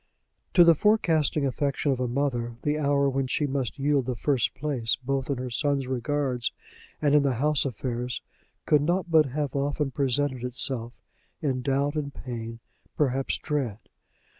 To the forecasting affection of a mother, the hour when she must yield the first place both in her son's regards and in the house affairs could not but have often presented itself, in doubt and pain perhaps dread.